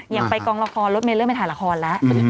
อย่างไปกองละครรถเมลเลียร์ไม่ถ่ายละครแล้ว